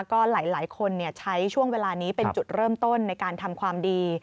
ก็หลายคนใช้ช่วงเวลานี้เป็นจุดเริ่มต้นในการทำความดี